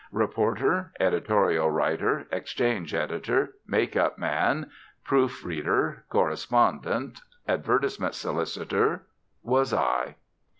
Reporter, editorial writer, exchange editor, make up man, proof reader, correspondent, advertisement solicitor, was I.